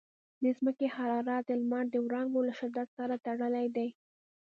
د ځمکې حرارت د لمر د وړانګو له شدت سره تړلی دی.